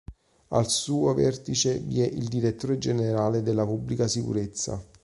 Al suo vertice vi è il direttore generale della pubblica sicurezza.